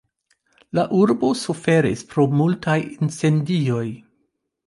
La urbo suferis pro multaj incendioj.